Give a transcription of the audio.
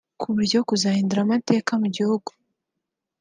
ku buryo kizahinduka amateka mu gihugu